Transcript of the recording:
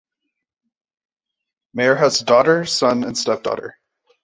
Meyer has a daughter, son, and step-daughter.